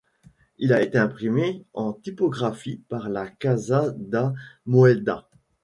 Il a été imprimé en typographie par la Casa da Moeda.